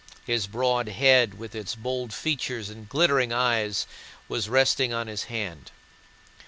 His broad head with its bold features and glittering eyes was resting on his hand.